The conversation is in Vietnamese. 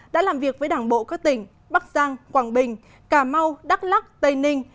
đã làm việc với đảng bộ các tỉnh bắc giang quảng bình cà mau đắk lắc tây ninh